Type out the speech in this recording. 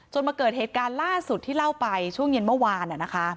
มาเกิดเหตุการณ์ล่าสุดที่เล่าไปช่วงเย็นเมื่อวาน